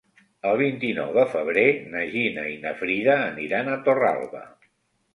El vint-i-nou de febrer na Gina i na Frida aniran a Torralba.